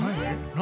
何？